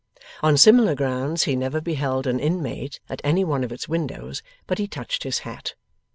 On similar grounds he never beheld an inmate at any one of its windows but he touched his hat.